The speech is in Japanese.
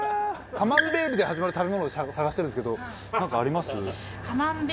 「カマンベール」で始まる食べ物を探してるんですけどなんかあります？